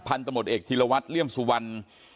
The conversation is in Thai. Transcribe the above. นักธนตรรมดิ์เอกธีรวัตรเรื่องสุวรรณ